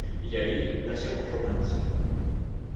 Y ahí nace un romance.